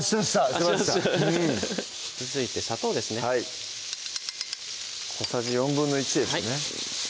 しましたうん続いて砂糖ですねはい小さじ１／４ですねはい